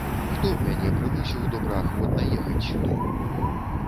Хто б мяне прымусіў добраахвотна ехаць сюды?!